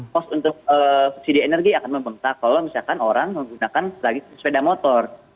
kos untuk subsidi energi akan membengkak kalau misalkan orang menggunakan sepeda motor